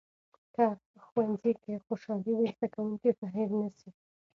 که ښوونځي کې خوشالي وي، زده کوونکي به هیر نسي.